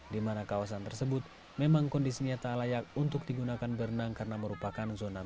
dimana kawasan tersebut memang kondisinya tak layak untuk digunakan berenang karena merupakan zona terlarang